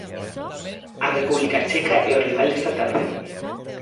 A República Checa é o rival desta tarde.